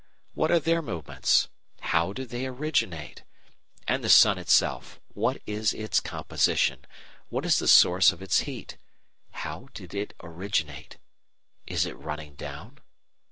What are their movements? How do they originate? And the Sun itself, what is its composition, what is the source of its heat, how did it originate? Is it running down?